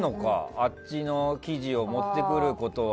あっちの記事を持ってくることは。